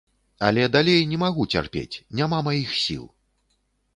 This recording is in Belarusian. Але далей не магу цярпець, няма маіх сіл.